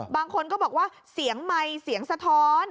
บางคนก็บอกว่าเสียงไมค์เสียงสะท้อน